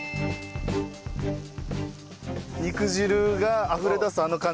肉汁があふれ出すあの感じ。